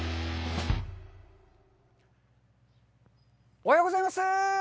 おはようございます。